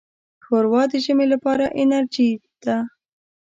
ښوروا د ژمي لپاره انرجۍ ده.